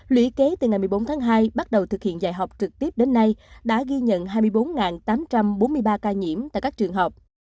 lũy kế từ ngày một mươi bốn tháng hai bắt đầu thực hiện dạy học trực tiếp đến nay đã ghi nhận hai mươi bốn tám trăm bốn mươi ba ca nhiễm tại các trường học